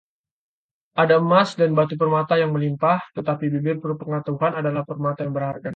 Ada emas dan batu permata yang melimpah, tetapi bibir berpengetahuan adalah permata yang berharga.